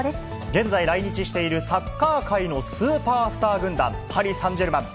現在、来日しているサッカー界のスーパースター軍団、パリサンジェルマン。